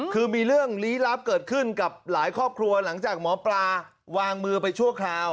คือมีเรื่องลี้ลับเกิดขึ้นกับหลายครอบครัวหลังจากหมอปลาวางมือไปชั่วคราว